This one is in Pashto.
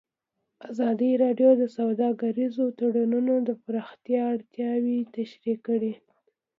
ازادي راډیو د سوداګریز تړونونه د پراختیا اړتیاوې تشریح کړي.